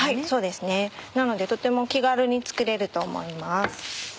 そうですねなのでとても気軽に作れると思います。